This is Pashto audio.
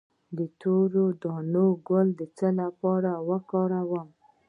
د تورې دانې ګل د څه لپاره وکاروم؟